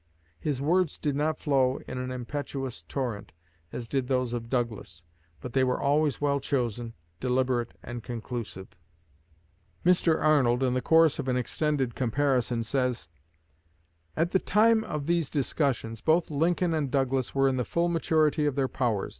His words did not flow in an impetuous torrent, as did those of Douglas; but they were always well chosen, deliberate and conclusive." Mr. Arnold, in the course of an extended comparison, says: "At the time of these discussions, both Lincoln and Douglas were in the full maturity of their powers.